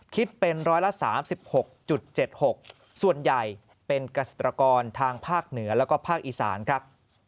คิดเป็นร้อยละ๓๖๗๖ส่วนใหญ่เป็นเกษตรกรทางภาคเหนือแล้วก็ภาคอีสานครับ